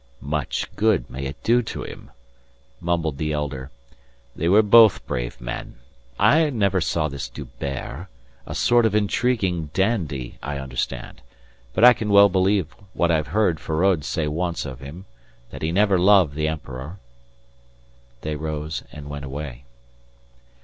"Much good may it do to him," mumbled the elder. "They were both brave men. I never saw this D'Hubert a sort of intriguing dandy, I understand. But I can well believe what I've heard Feraud say once of him that he never loved the emperor." They rose and went away.